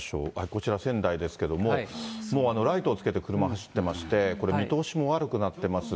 こちら、仙台ですけれども、もうライトをつけて、車走ってまして、これ、見通しも悪くなってます。